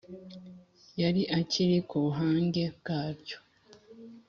yari akiri ku buhange bwaryo.